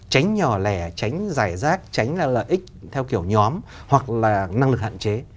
tránh nhỏ lẻ tránh giải rác tránh lợi ích theo kiểu nhóm hoặc là năng lực hạn chế